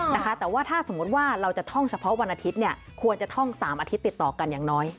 แต่ว่าถ้าสมมุติว่าเราจะท่องเฉพาะวันอาทิตย์เนี่ยควรจะท่อง๓อาทิตย์ติดต่อกันอย่างน้อย